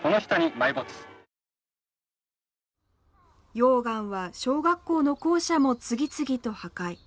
溶岩は小学校の校舎も次々と破壊。